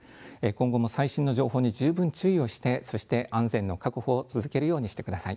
今後も最新の情報に十分注意をしてそして安全の確保を続けるようにしてください。